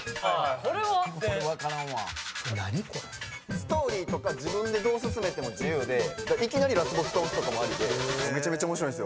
ストーリーとか自分でどう進めても自由でいきなりラスボス倒すとかもありでめちゃめちゃ面白いんすよ。